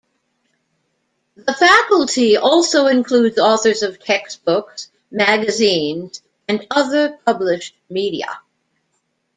The faculty also includes authors of textbooks, magazines, and other published media.